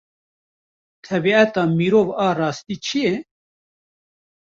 Tebîata mirov a rastî çi ye?